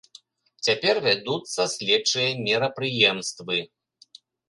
Цяпер вядуцца следчыя мерапрыемствы.